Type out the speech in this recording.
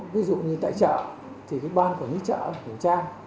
ví dụ như tại chợ thì cái ban của những chợ kiểm tra